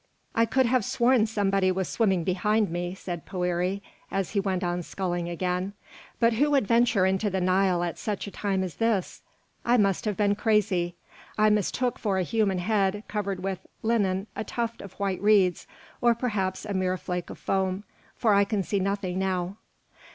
"I could have sworn somebody was swimming behind me," said Poëri, as he went on sculling again; "but who would venture into the Nile at such a time as this? I must have been crazy. I mistook for a human head covered with linen a tuft of white reeds, or perhaps a mere flake of foam, for I can see nothing now."